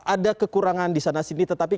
ada kekurangan di sana sini tetapi